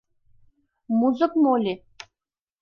— Музык моли?